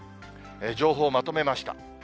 情報をまとめました。